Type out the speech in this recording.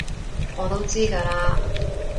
我都知㗎喇